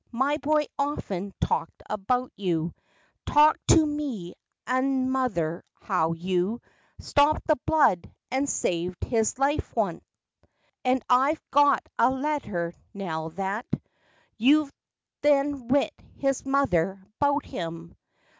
My boy often talked about you. Talked to me an' mother, how you Stopt the blood and saved his life onct. And I've got a letter now that You then writ his mother 'bout him.